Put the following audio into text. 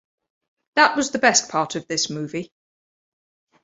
That was the best part of this movie.